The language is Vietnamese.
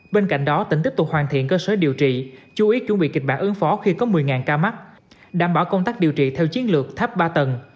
bên cạnh đó tỉnh tiếp tục hoàn thiện cơ sở điều trị chú ý chuẩn bị kịch bản ứng phó khi có một mươi ca mắc đảm bảo công tác điều trị theo chiến lược thấp ba tầng